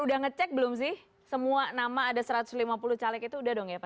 udah ngecek belum sih semua nama ada satu ratus lima puluh caleg itu udah dong ya pak